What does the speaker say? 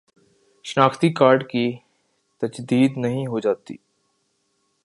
شناختی کارڈ کی تجدید نہیں ہوجاتی